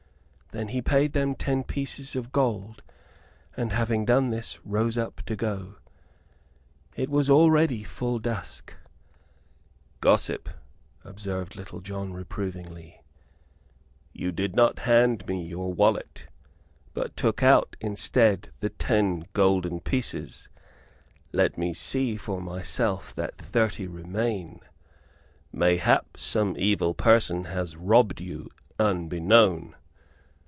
Then he paid them ten pieces of gold; and having done this, rose up to go. It was already full dusk. "Gossip," observed Little John, reprovingly, "you did not hand me your wallet, but took out instead the ten golden pieces. Let me see for myself that thirty remain. Mayhap some evil person has robbed you unbeknown."